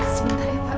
sebentar ya pak